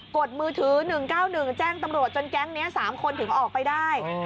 ดมือถือ๑๙๑แจ้งตำรวจจนแก๊งนี้๓คนถึงออกไปได้